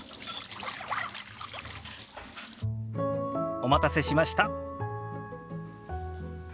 お待たせしました。